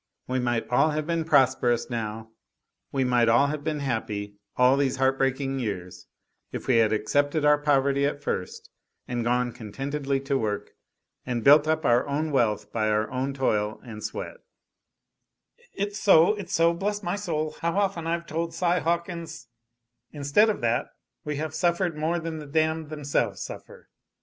We might all have been prosperous, now; we might all have been happy, all these heart breaking years, if we had accepted our poverty at first and gone contentedly to work and built up our own wealth by our own toil and sweat " "It's so, it's so; bless my soul, how often I've told Si Hawkins " "Instead of that, we have suffered more than the damned themselves suffer!